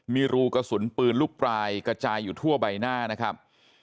มีรูกระสุนปืนลูกปลายกระจายอยู่ทั่วใบหน้านะครับ